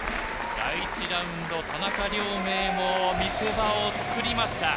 第１ラウンド、田中亮明も見せ場を作りました。